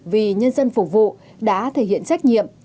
vì nhân dân phục vụ đã thể hiện trách nhiệm